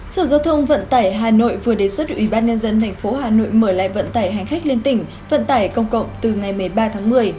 sở giao thông vận tải hà nội vừa đề xuất ủy ban nhân dân tp hà nội mở lại vận tải hành khách liên tỉnh vận tải công cộng từ ngày một mươi ba tháng một mươi